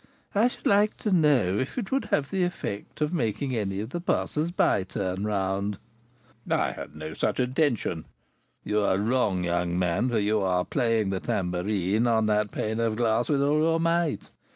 I should like to know if it would have the effect of making any of the passers by turn round?" "I had no such intention." "You are wrong, young man; for you are playing the tambourine on that pane of glass with all your might.